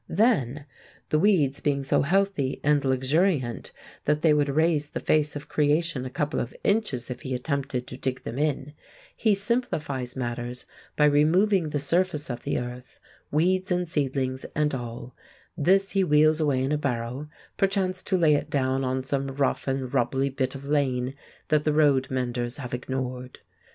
Then, the weeds being so healthy and luxuriant that they would raise the face of creation a couple of inches if he attempted to dig them in, he simplifies matters by removing the surface of the earth, weeds and seedlings and all; this he wheels away in a barrow, perchance to lay it down on some rough and rubbly bit of lane that the road menders have ignored.